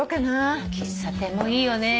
「喫茶店」もいいよね。